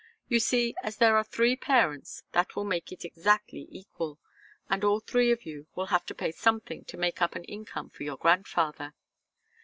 You see, as there are three parents, that will make it exactly equal. And all three of you have to pay something to make up an income for your grandfather.